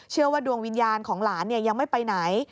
เชื่อว่าดวงวิญญาณของหลานยังไม่ไปไหน